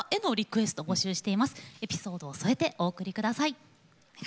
エピソードを添えてお送りください。